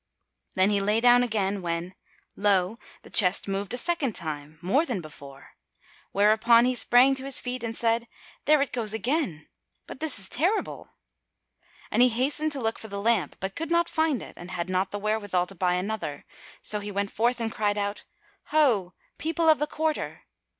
Then he lay down again when, lo! the chest moved a second time, more than before; whereupon he sprang to his feet and said, "There it goes again: but this is terrible!" And he hastened to look for the lamp, but could not find it and had not the wherewithal to buy another. So he went forth and cried out, "Ho, people of the quarter!"